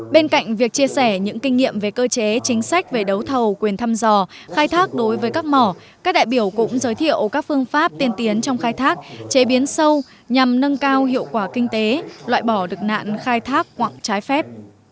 bên cạnh việc chia sẻ những kinh nghiệm về cơ chế chính sách về đấu thầu quyền thăm dò khai thác đối với các mỏ các đại biểu cũng giới thiệu các phương pháp tiên tiến trong khai thác chế biến sâu nhằm nâng cao hiệu quả kinh tế loại bỏ được nạn khai thác quạng trái phép